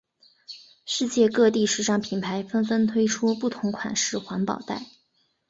世界各地时尚品牌纷纷推出不同款式环保袋。